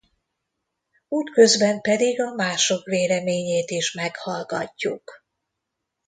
Útközben pedig a mások véleményét is meghallgathatjuk.